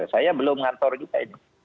saya belum ngantor juga